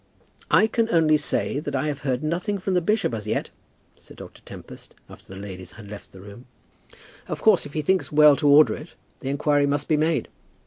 "I can only say that I have heard nothing from the bishop as yet," said Dr. Tempest, after the ladies had left the room. "Of course, if he thinks well to order it, the inquiry must be made."